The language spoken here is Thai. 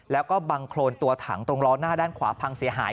แล้วก็บังโครนตัวถังตรงล้อหน้าด้านขวาพังเสียหาย